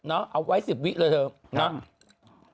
เอาไว้๑๐วิจัยเลยเถอะ